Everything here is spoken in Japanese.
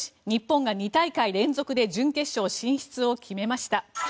日本が２大会連続で準決勝進出を決めました。